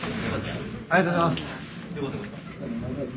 ありがとうございます！